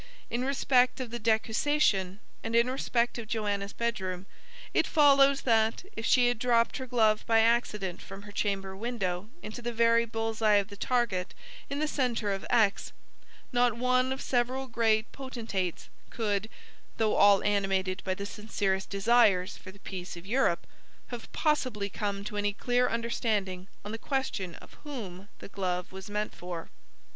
in respect of the decussation, and in respect of Joanna's bed room; it follows that, if she had dropped her glove by accident from her chamber window into the very bull's eye of the target, in the centre of X, not one of several great potentates could (though all animated by the sincerest desires for the peace of Europe) have possibly come to any clear understanding on the question of whom the glove was meant for.